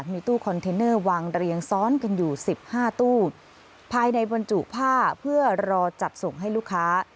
มีตู้คอนเทนเนอร์วางเรียงซ้อนกันอยู่สิบห้าตู้ภายในบรรจุผ้าเพื่อรอจัดส่งให้ลูกค้า